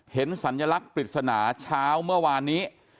สัญลักษณ์ปริศนาเช้าเมื่อวานนี้